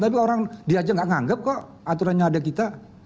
tapi orang diajak nggak nganggap kok aturannya ada kita